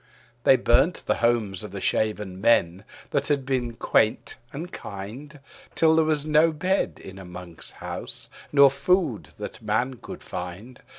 They burnt the homes of the shaven men, that had been quaint and kind. Till there was not bed in a monk's house, nor food that man could find.